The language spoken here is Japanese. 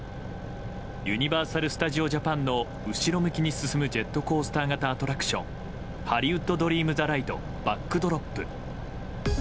ユニバーサル・スタジオ・ジャパンの、後ろ向きに進むジェットコースター型アトラクションハリウッド・ドリーム・ザ・ライドバックドロップ。